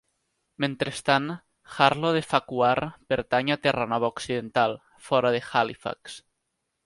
Mentrestant, Harlaw de Farquhar pertany a Terranova occidental, fora de Halifax.